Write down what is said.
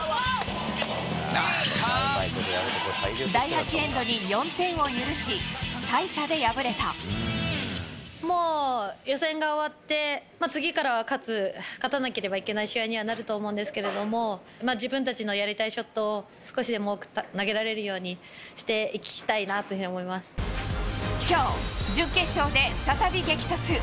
第８エンドに４点を許し、もう、予選が終わって、次からは勝つ、勝たなければいけない試合にはなると思うんですけれども、自分たちのやりたいショットを少しでも多く投げられるようにしたきょう、準決勝で再び激突。